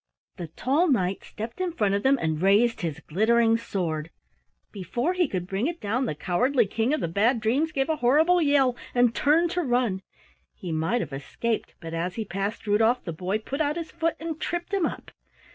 The tall knight stepped in front of them and raised his glittering sword. Before he could bring it down, the cowardly King of the Bad Dreams gave a horrible yell and turned to run. He might have escaped, but as he passed Rudolf the boy put out his foot and tripped him up.